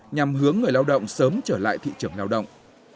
nhằm hướng người lao động sớm trở lại thị trường lao động